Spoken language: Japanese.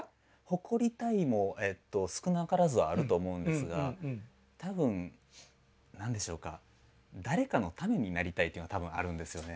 誇りたいも少なからずはあると思うんですが多分何でしょうか誰かのためになりたいというのが多分あるんですよね。